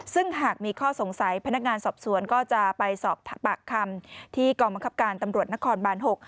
ซึ่งหากมีข้อสงสัยพนักงานสอบสวนก็จะไปสอบปากคำที่กองบังคับการตำรวจนครบาน๖